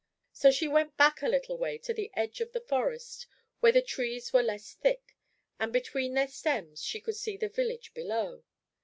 So she went back a little way to the edge of the forest, where the trees were less thick, and between their stems she could see the village below.